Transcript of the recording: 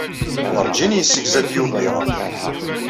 Werǧin yessegza-d Yuba ayɣeṛ.